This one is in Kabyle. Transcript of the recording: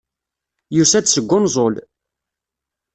Yusa-d seg unẓul.